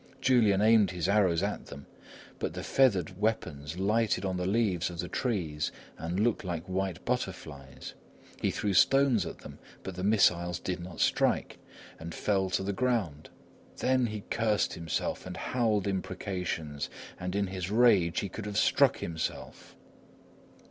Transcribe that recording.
Julian aimed his arrows at them, but the feathered weapons lighted on the leaves of the trees and looked like white butterflies. He threw stones at them; but the missiles did not strike, and fell to the ground. Then he cursed himself, and howled imprecations, and in his rage he could have struck himself.